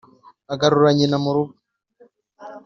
agarura nyina murugo.